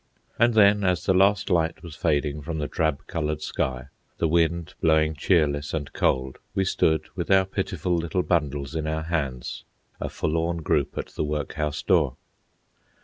And then, as the last light was fading from the drab coloured sky, the wind blowing cheerless and cold, we stood, with our pitiful little bundles in our hands, a forlorn group at the workhouse door.